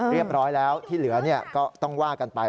เรียบร้อยแล้วที่เหลือก็ต้องว่ากันไป